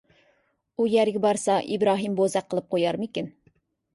ئۇ يەرگە بارسا ئىبراھىم بوزەك قىلىپ قويارمىكىن.